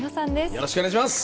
よろしくお願いします。